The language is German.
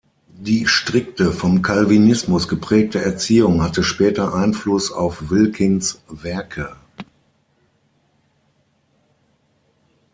Die strikte vom Calvinismus geprägte Erziehung hatte später Einfluss auf Wilkins' Werke.